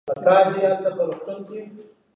الله سبحانه وتعالی ته د ډيرو وَجُو نه حــمید ویل کیږي